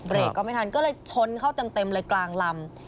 เบรกก็ไม่ทันก็เลยชนเขาเต็มเต็มเลยกลางลำ